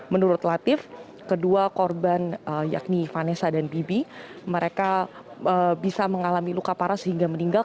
menurut latif kedua korban yakni vanessa dan bibi mereka bisa mengalami luka parah sehingga meninggal